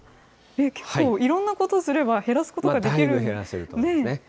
結構いろんなことすれば減らすことができるんですね。